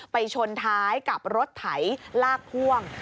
ชนท้ายกับรถไถลากพ่วง